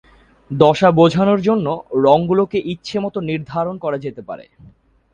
দশা বোঝানোর জন্য রঙ গুলোকে ইচ্ছা মত নির্ধারণ করা যেতে পারে।